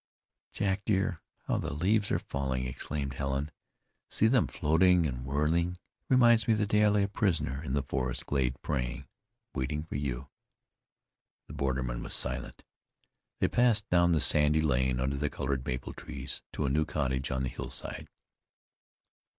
"Jack, dear, how the leaves are falling!" exclaimed Helen. "See them floating and whirling. It reminds me of the day I lay a prisoner in the forest glade praying, waiting for you." The borderman was silent. They passed down the sandy lane under the colored maple trees, to a new cottage on the hillside.